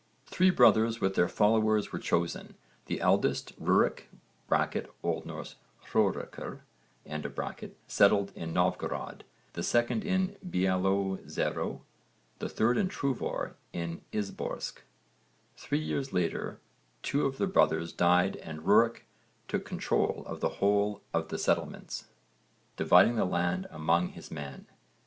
Three brothers with their followers were chosen: the eldest, Rurik (O.N. Hroerekr), settled in Novgorod, the second in Bieloözero, the third in Truvor in Izborsk. Three years later two of the brothers died and Rurik took control of the whole of the settlements, dividing the land among his men.